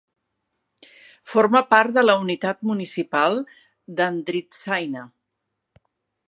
Forma part de la unitat municipal d'Andritsaina.